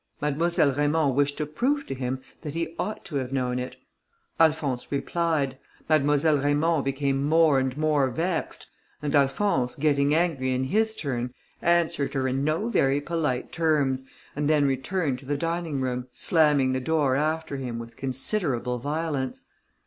Mademoiselle Raymond wished to prove to him that he ought to have known it; Alphonse replied; Mademoiselle Raymond became more and more vexed, and Alphonse getting angry in his turn, answered her in no very polite terms, and then returned to the dining room, slamming the door after him with considerable violence.